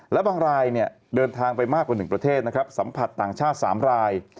และบางรายเดินทางไปมากกว่า๑ประเทศนะครับสัมผัสต่างชาติ๓ราย